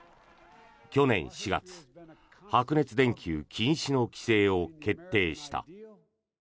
去年４月白熱電球禁止の規制を決定した。